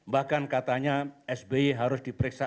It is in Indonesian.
bahkan katanya sby harus diperiksa